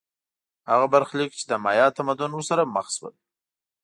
هغه برخلیک چې د مایا تمدن ورسره مخ شول